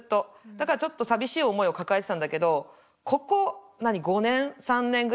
だからちょっと寂しい思いを抱えてたんだけどここ５年３年ぐらい？